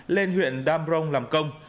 lên huyện dambrong làm công